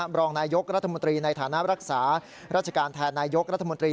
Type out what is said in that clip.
รองนายยกรัฐมนตรีในฐานะรักษาราชการแทนนายยกรัฐมนตรี